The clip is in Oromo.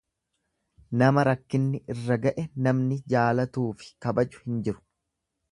Nama rakkinni irra ga'e namni jaalatuufi kabaju hin jiru.